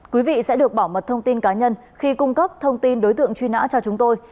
quý vị sẽ được bảo mật thông tin cá nhân khi cung cấp thông tin đối tượng truy nã cho chúng tôi